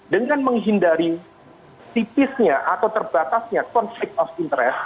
dengan menghindari tipisnya atau terbatasnya konflik of interest